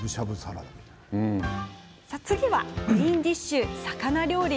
次はメインディッシュは魚料理。